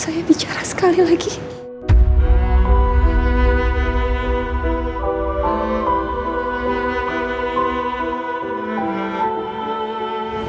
saat ini elsa sudah mengakui semua perbuatan ibu